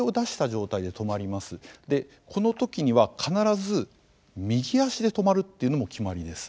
この時には必ず右足で止まるっていうのも決まりです。